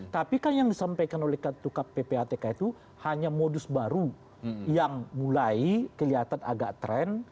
tapi kan yang disampaikan oleh ketua ppatk itu hanya modus baru yang mulai kelihatan agak tren